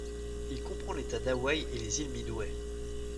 Il comprend l'État d'Hawaï et les îles Midway.